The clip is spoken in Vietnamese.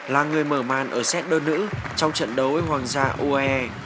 là người mở màn ở set đơn nữ trong trận đấu với hoàng gia ue